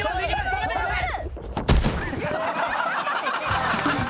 止めてください。